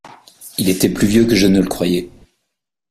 Il était plus vieux que je ne le croyais.